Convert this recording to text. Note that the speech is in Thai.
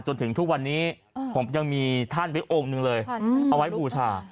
จนถึงทุกวันนี้ผมยังมีท่านไว้องค์หนึ่งเลยเอาไว้บูชา